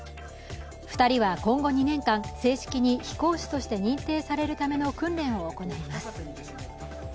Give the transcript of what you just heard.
２人は今後２年間、正式に飛行士として認定されるための訓練を行います。